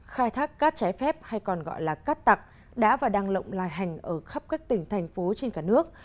khai thác cát trái phép hay còn gọi là cát tặc đã và đang lộng lai hành ở khắp các tỉnh thành phố trên cả nước